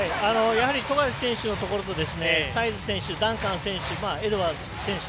富樫選手のところとサイズ選手、ダンカン選手エドワーズ選手。